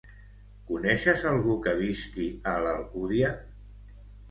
Coneixes algú que visqui a l'Alcúdia?